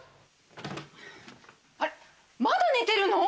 あらまだ寝てるの？